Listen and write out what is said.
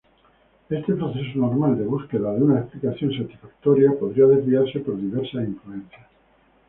Este proceso normal de búsqueda de una explicación satisfactoria podría desviarse por diversas influencias.